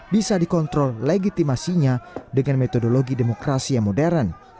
bisa dikontrol legitimasinya dengan metodologi demokrasi yang modern